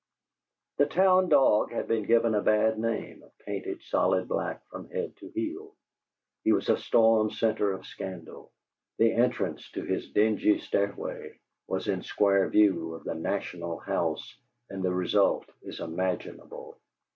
The town dog had been given a bad name, painted solid black from head to heel. He was a storm centre of scandal; the entrance to his dingy stairway was in square view of the "National House," and the result is imaginable.